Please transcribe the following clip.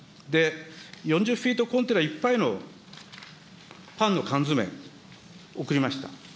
４０フィートコンテナいっぱいのパンの缶詰送りました。